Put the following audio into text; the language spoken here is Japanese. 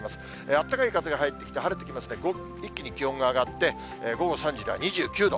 あったかい風が入ってきて、晴れてきまして、一気に気温が上がって、午後３時では２９度。